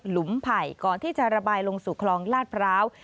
มไผ่ก่อนที่จะระบายลงสู่คลองลาดพร้าว